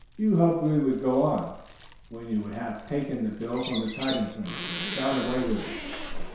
You hoped we would go on, when you would have taken the doe from its hiding place and gone away with it.